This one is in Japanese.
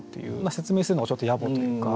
説明するのもちょっとやぼというか。